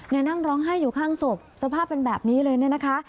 นั่งร้องไห้อยู่ข้างศพสภาพเป็นแบบนี้เลยเนี่ยนะคะ